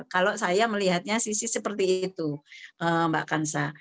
kalau saya melihatnya sisi seperti itu mbak kansa